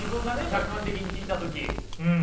客観的に聞いた時。